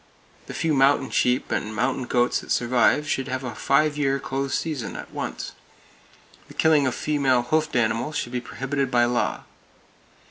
The few mountain sheep and mountain goats that survive should have a five year close season, at once. The killing of female hoofed animals should be prohibited by law.